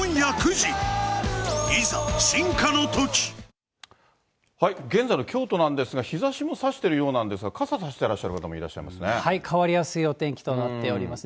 「ディアナチュラ」現在の京都なんですが、日ざしもさしてるようなんですが、傘差してらっしゃる方もいらっし変わりやすいお天気となっております。